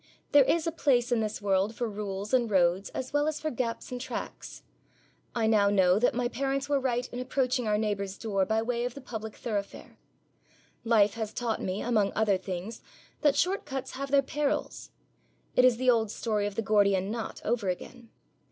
There is a place in this world for rules and roads as well as for gaps and tracks. I know now that my parents were right in approaching our neighbour's door by way of the public thoroughfare. Life has taught me, among other things, that short cuts have their perils. It is the old story of the Gordian knot over again.